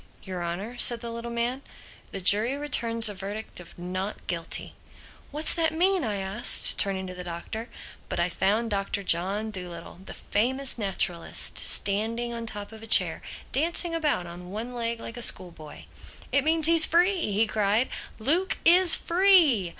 "Your Honor," said the little man, "the jury returns a verdict of Not Guilty." "What's that mean?" I asked, turning to the Doctor. But I found Doctor John Dolittle, the famous naturalist, standing on top of a chair, dancing about on one leg like a schoolboy. "It means he's free!" he cried, "Luke is free!"